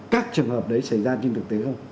các trường hợp đấy xảy ra trên thực tế không